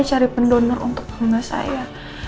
cari pendonor untuk rumah saya